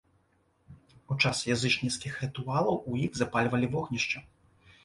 У час язычніцкіх рытуалаў у іх запальвалі вогнішчы.